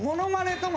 とも